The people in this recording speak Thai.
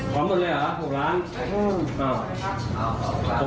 ไม่มีเงินตอบถึง